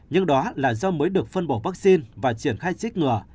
nhưng đó là do mới được phân bổ vaccine và triển khai chích ngừa